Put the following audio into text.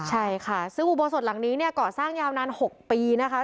ใช่ค่ะซึ่งอุโบสถหลังนี้เนี่ยก่อสร้างยาวนาน๖ปีนะคะ